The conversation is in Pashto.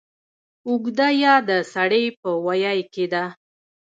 اوږده يا د سړې په ویي کې ده